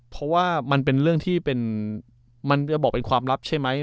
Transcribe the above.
เพราะว่ามันเป็นเรื่องที่เป็นมันจะบอกเป็นความลับใช่ไหม